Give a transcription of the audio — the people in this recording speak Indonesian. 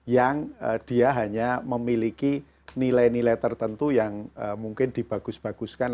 yang dia hanya memiliki nilai nilai tertentu yang mungkin dibagus baguskan